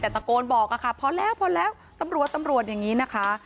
แต่ตะโกนบอกอะค่ะพอแล้วพอแล้วตำรวจตำรวจอย่างนี้นะคะ